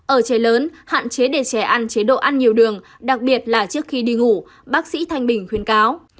ở trẻ lớn hạn chế để trẻ ăn chế độ ăn nhiều đường đặc biệt là trước khi đi ngủ bác sĩ thanh bình khuyến cáo